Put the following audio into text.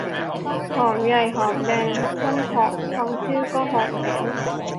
หอมใหญ่ หอมแดง ต้นหอม ฟังชื่อก็หอมแล้ว